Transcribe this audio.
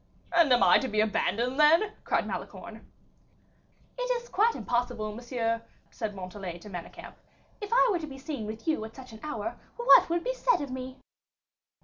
"And am I to be abandoned, then?" cried Malicorne. "It is quite impossible, monsieur," said Montalais to Manicamp; "if I were to be seen with you at such an hour, what would be said of me?"